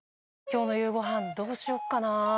今日の夕ご飯どうしよっかなぁ？